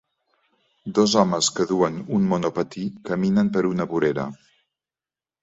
Dos homes que duen un monopatí caminen per una vorera.